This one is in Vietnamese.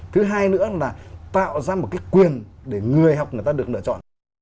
thứ hai nữa là tạo ra một cái quyền để người học người ta được lựa chọn